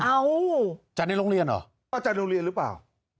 จัดในโรงเรียนเหรอเอ้าจัดโรงเรียนหรือเปล่า